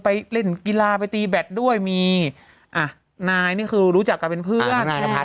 ไปเล่นกีฬาไปตีแบตด้วยมีอ่ะนายนี่คือรู้จักกันเป็นเพื่อน